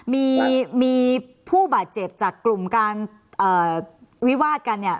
มีมีผู้บาดเจ็บจากกลุ่มการวิวาดกันเนี่ย